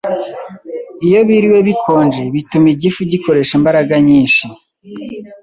Iyo biriwe bikonje, bituma igifu gikoresha imbaraga nyinshi